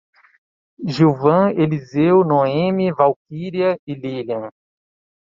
Gilvan, Eliseu, Noemi, Valquíria e Lílian